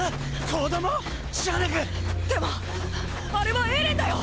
⁉子供⁉じゃねぇか⁉でもあれはエレンだよ！！